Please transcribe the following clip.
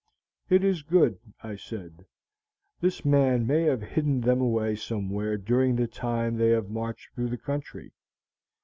'It is good,' I said. 'This man may have hidden them away somewhere during the time they have marched through the country.